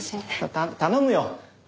た頼むよ。